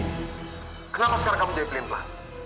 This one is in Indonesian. kenapa sekarang kamu jadi pelimpan